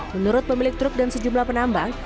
menurut pemilik truk dan sejumlah penambang